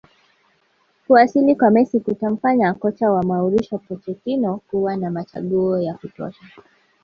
Kuwasili kwa Messi kutamfanya kocha wa Mauricio Pochettino kuwa na machaguo ya kutosha